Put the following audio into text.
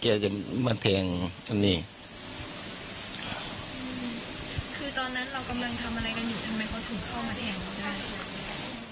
คือตอนนั้นเรากำลังทำอะไรกันอยู่ทำไมก็ถูกเข้ามาแท้งมัน